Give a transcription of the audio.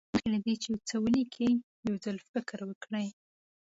مخکې له دې چې یو څه ولیکئ یو ځل فکر وکړئ.